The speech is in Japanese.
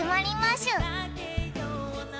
しゅ